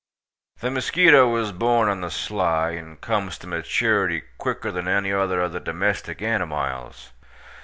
The muskeeto iz born on the sly, and cums to maturity quicker than enny other ov the domestik animiles.